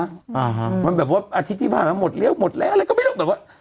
อ่าฮะมันแบบว่าอาทิตย์ที่ผ่านมาหมดเลี้ยวหมดแล้วอะไรก็ไม่รู้แบบว่า